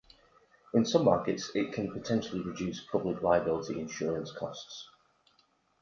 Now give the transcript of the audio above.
In some markets it can potentially reduce public liability insurance costs.